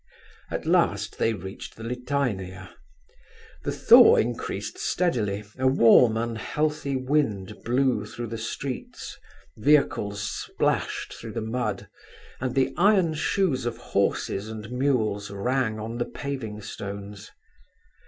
At last they reached the Litaynaya. The thaw increased steadily, a warm, unhealthy wind blew through the streets, vehicles splashed through the mud, and the iron shoes of horses and mules rang on the paving stones.